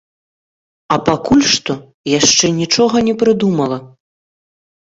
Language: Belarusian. А пакуль што яшчэ нічога не прыдумала.